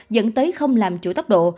dẫn tới không làm chủ tốc độ